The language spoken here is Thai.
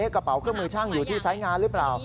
กระเป๋าเครื่องมือช่างอยู่ที่ไซส์งานหรือเปล่า